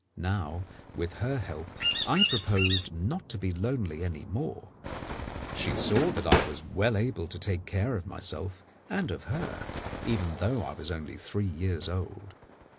Now, with her help, I proposed not to be lonely any more. She saw that I was well able to take care of myself and of her, even though I was only three years old.